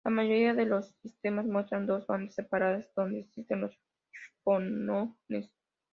La mayoría de los sistemas muestran dos bandas separadas donde existen los fonones.